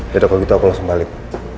ya udah kalau kita aku langsung balik